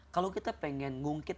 kalau kita pengen ngungkit